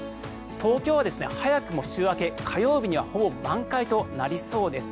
東京は早くも週明け、火曜日にはほぼ満開となりそうです。